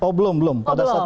oh belum belum